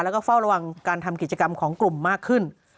แล้วก็เฝ้าระวังการทำกิจกรรมของกลุ่มมากขึ้น